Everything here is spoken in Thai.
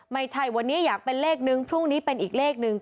ไม่ใช่วันนี้อยากเป็นเลขนึงพรุ่งนี้เป็นอีกเลขนึง